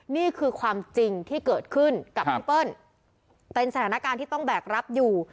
นี่คือความจริงที่เกิดขึ้นกับพี่เปิ้ลเป็นสถานการณ์ที่ต้องแบกรับอยู่